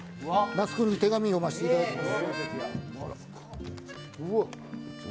那須君に手紙を読ませていただきます。